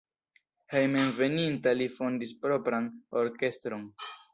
Hejmenveninta li fondis propran orkestron.